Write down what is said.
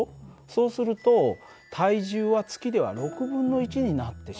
そうすると体重は月では６分の１になってしまう。